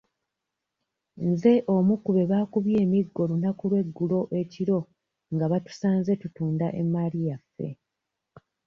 Nze omu ku be baakubye emiggo olunaku lw'eggulo ekiro nga batusanze tutunda emmaali yaffe.